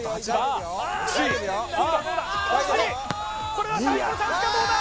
これは最後のチャンスかどうだ？